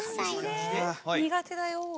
苦手だよ。